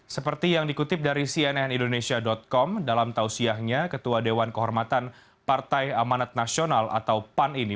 seperti yang dikutip dari cnn indonesia com dalam tausiahnya ketua dewan kehormatan partai amanat nasional atau pan ini